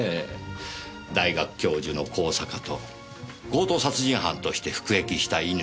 大学教授の香坂と強盗殺人犯として服役した乾。